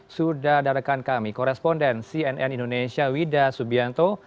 sudah darakan kami koresponden cnn indonesia wida subianto